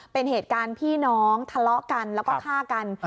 เป็นเหตุการณ์พี่น้องทะเลาะกันแล้วก็ฆ่ากัน